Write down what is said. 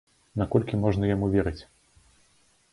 Наколькі можна яму верыць?